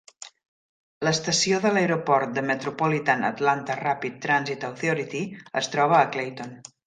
L'estació de l'aeroport de Metropolitan Atlanta Rapid Transit Authority es troba a Clayton.